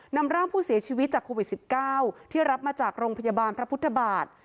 นำร่างผู้เสียชีวิตจากโควิด๑๙ที่รับมาจากโรงพยาบาลพระพุทธบาท